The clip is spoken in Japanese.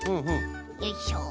よいしょ。